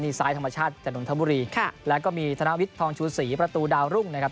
นี่ซ้ายธรรมชาติจากนนทบุรีค่ะแล้วก็มีธนวิทย์ทองชูศรีประตูดาวรุ่งนะครับ